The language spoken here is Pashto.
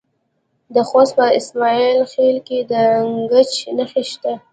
د خوست په اسماعیل خیل کې د ګچ نښې شته.